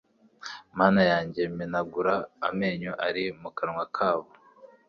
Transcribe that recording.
Mana yanjye menagura amenyo ari mu kanwa kabo